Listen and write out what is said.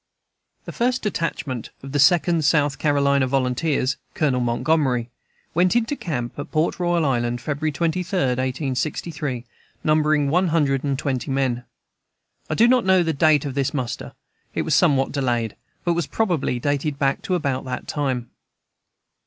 The first detachment of the Second South Carolina Volunteers (Colonel Montgomery) went into camp at Port Royal Island, February 23, 1863, numbering one hundred and twenty men. I do not know the date of his muster; it was somewhat delayed, but was probably dated back to about that time.